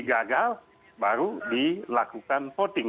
gagal baru dilakukan voting